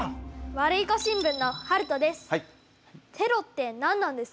ワルイコ新聞のはるとです。